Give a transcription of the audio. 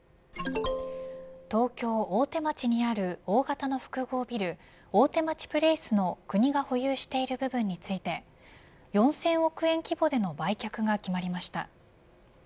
東京、大手町にある大型の複合ビル大手町プレイスの国が保有している部分について４０００億円規模での売却が決まりました。